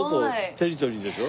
テリトリーでしょ？